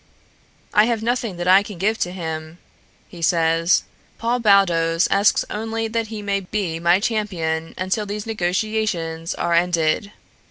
"I have nothing that I can give to him, he says. Paul Baldos asks only that he may be my champion until these negotiations are ended.